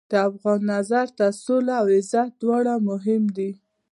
د افغان نظر ته سوله او عزت دواړه مهم دي.